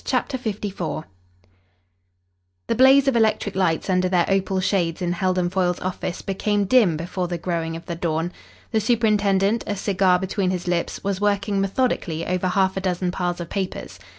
CHAPTER LIV The blaze of electric lights under their opal shades in Heldon Foyle's office became dim before the growing of the dawn. The superintendent, a cigar between his lips, was working methodically over half a dozen piles of papers.